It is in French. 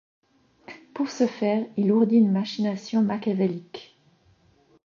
Pour ce faire, il ourdit une machination machiavélique.